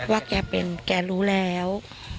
แกเป็นแกรู้แล้ว